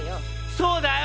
そうだよ。